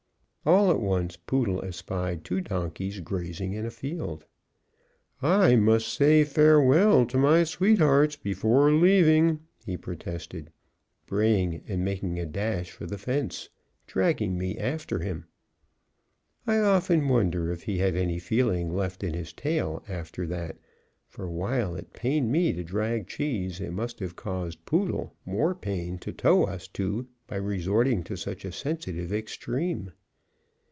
All at once Poodle espied two donkeys grazing in a field. "I must say a farewell to my sweethearts before leaving," he protested, braying and making a dash for the fence, dragging me after him. I often wonder if he had any feeling left in his tail after that; for while it pained me to drag Cheese, it must have caused Poodle more pain to tow us two by resorting to such a sensitive extreme.